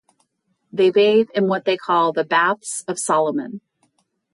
They bathe in what they call the Baths of Solomon.